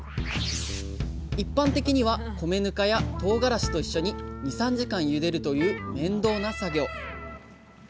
一般的には米ぬかやとうがらしと一緒に２３時間ゆでるという面倒な作業。